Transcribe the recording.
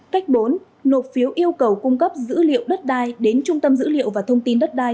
cách bốn nộp phiếu yêu cầu cung cấp dữ liệu đất đai đến trung tâm dữ liệu và thông tin đất đai